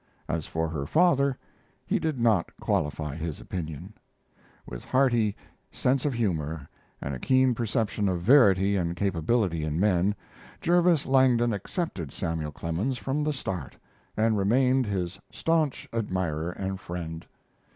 As for her father, he did not qualify his opinion. With hearty sense of humor, and a keen perception of verity and capability in men, Jervis Langdon accepted Samuel Clemens from the start, and remained his stanch admirer and friend.